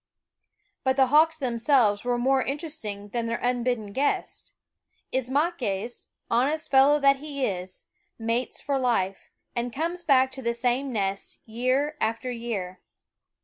But the hawks themselves were more inter esting than their unbidden guests. Ismaques, honest fellow that he is, mates for life, and comes back to the same nest year after year.